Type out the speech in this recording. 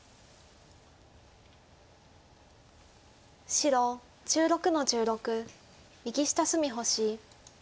白１６の十六右下隅星。